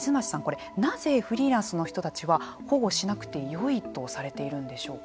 これなぜフリーランスの人たちは保護しなくてよいとされているんでしょうか？